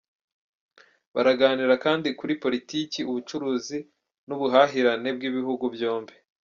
Baraganira kandi kuri Politiki, ubucuruzi n’ubuhahirane bw’ibihugu byombi.